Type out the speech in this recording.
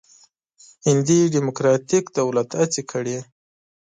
هندي ډموکراتیک دولت هڅې کړې.